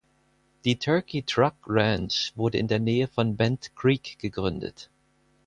Die Turkey Truck Ranch wurde in der Nähe von Bent Creek gegründet.